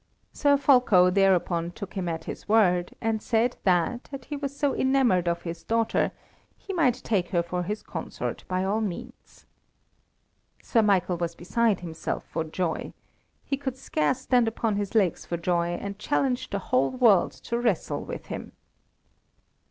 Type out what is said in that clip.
Sir Fulko thereupon took him at his word, and said that, as he was so enamoured of his daughter, he might take her for his consort by all means. Sir Michael was beside himself for joy. He could scarce stand upon his legs for joy, and challenged the whole world to wrestle with him.